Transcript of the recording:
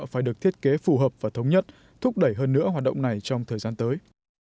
phải được thiết kế phù hợp và thống nhất thúc đẩy hơn nữa hoạt động này trong thời gian tới